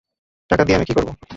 টাকা দিয়ে আমি কী করব?